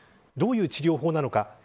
どういう治療法なのか。